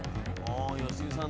良純さん